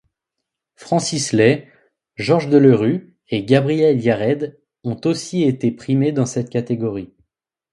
Francis Lai, Georges Delerue et Gabriel Yared ont aussi été primés dans cette catégorie.